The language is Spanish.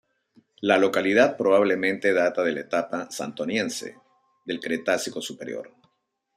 La localidad probablemente data de la etapa Santoniense del Cretácico Superior.